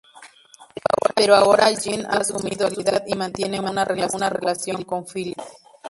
Pero ahora Jean ha asumido su sexualidad y mantiene una relación con Philippe.